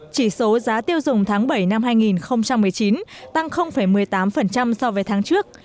chỉ số giá tiêu dùng tháng bảy năm hai nghìn một mươi chín tăng một mươi tám so với tháng trước